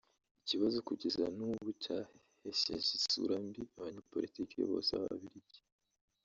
ikibazo kugeza n’ubu cyahesheje isura mbi abanyapolitike bose b’Ababiligi